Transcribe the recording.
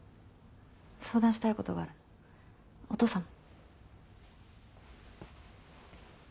相談したいことがあるのお父さんも。